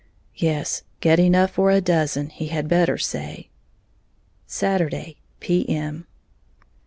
Yes, get enough for a dozen, he had better say! _Saturday, P. M.